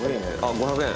５００円。